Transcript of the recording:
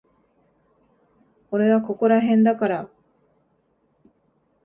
俺はここらへんだから。